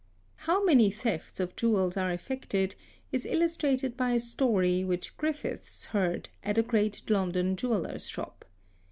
How many thefts of jewels are effected is illustrated by a story which Griffiths heard at a great London jeweller's shop